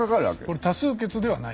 これ多数決ではない。